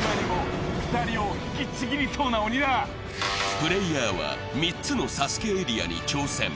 プレイヤーは３つのＳＡＳＵＫＥエリアに挑戦。